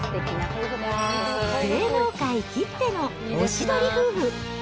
芸能界きってのオシドリ夫婦。